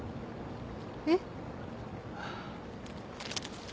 えっ？